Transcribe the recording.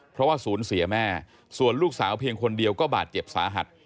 เพราะว่าศูนย์เสียแม่ส่วนลูกสาวเพียงคนเดียวก็บาดเจ็บสาหัส